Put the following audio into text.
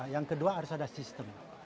yang kedua harus ada sistem